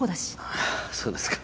ああそうですか。